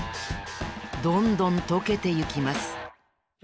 どんどんとけていきます。